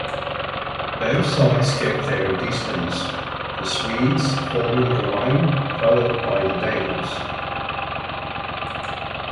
Both sides kept their distance, the Swedes forming a line, followed by the Danes.